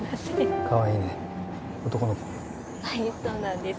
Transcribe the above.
はいそうなんです。